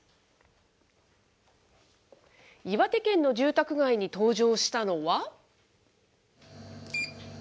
岩手県の住宅街に登場したのは。